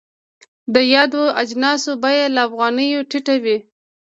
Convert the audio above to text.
د یادو اجناسو بیه له افغانیو ټیټه وي.